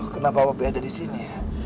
kenapa pak pi ada di sini